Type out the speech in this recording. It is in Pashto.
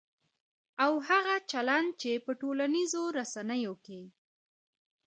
او هغه چلند چې په ټولنیزو رسنیو کې